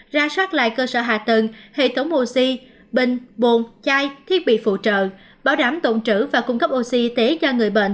ra soát lại cơ sở hạ tầng hệ thống oxy bình bồn chai thiết bị phụ trợ bảo đảm tụ trữ và cung cấp oxy y tế cho người bệnh